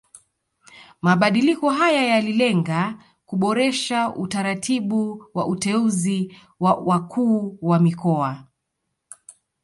Mabadiliko haya yalilenga kuboresha utaratibu wa uteuzi wa wakuu wa mikoa